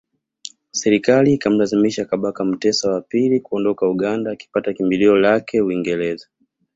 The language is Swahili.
Serikali ikamlazimisha Kabaka Mutesa wa pili kuondoka Uganda akipata kimbilio lake Uingereza